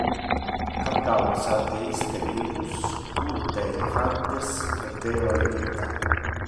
A causa de iste virus, multe elephantes perdeva le vita.